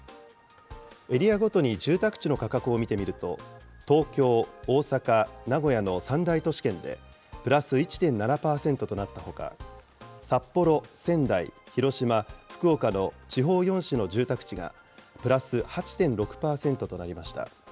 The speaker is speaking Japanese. エリアごとに住宅地の価格を見てみると、東京、大阪、名古屋など３大都市圏でプラス１．７％となったほか、札幌、仙台、広島、福岡の地方４市の住宅地がプラス８．６％となりました。